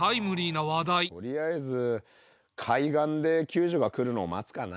うんとりあえず海岸で救助が来るのを待つかな。